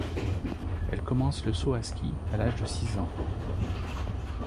Elle commence le saut à ski à l'âge de six ans.